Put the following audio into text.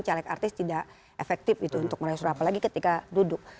caleg artis tidak efektif untuk merayu suruh apa lagi ketika duduk